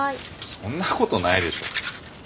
そんなことないでしょ。